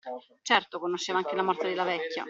Certo, conosceva anche la morte della vecchia.